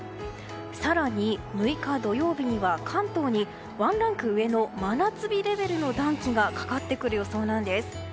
更に６日土曜日には関東にワンランク上の真夏日レベルの暖気がかかってくる予想なんです。